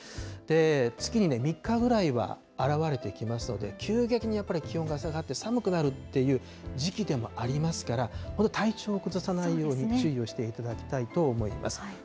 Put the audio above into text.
月に３日ぐらいは現れてきますので、急激にやっぱり気温が下がって、寒くなるっていう時期でもありますから、体調を崩さないように注意をしていただきたいと思います。